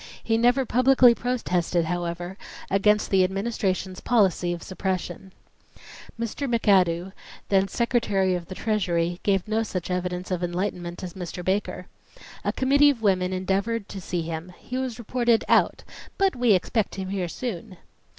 He never publicly protested, however, against the Administration's policy of suppression. Mr. McAdoo, then Secretary of the Treasury, gave no such evidence of enlightenment as Mr. Baker. A committee of women endeavored to see him. He was reported "out. But we expect him here soon."